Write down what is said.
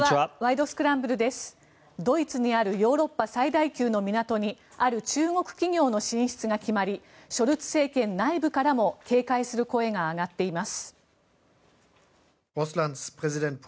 ドイツにあるヨーロッパ最大級の港にある中国企業の進出が決まりショルツ政権内部からも警戒する声が上がっています。